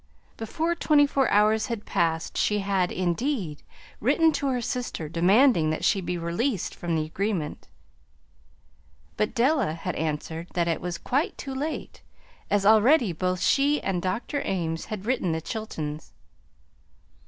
Before twenty four hours had passed she had, indeed, written to her sister demanding that she be released from the agreement; but Della had answered that it was quite too late, as already both she and Dr. Ames had written the Chiltons.